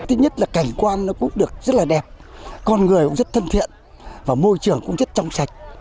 thứ nhất là cảnh quan nó cũng được rất là đẹp con người cũng rất thân thiện và môi trường cũng rất trong sạch